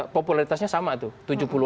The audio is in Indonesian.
popularitasnya sama tuh